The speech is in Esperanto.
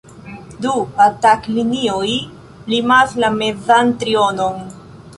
Du „atak-linioj“ limas la mezan trionon.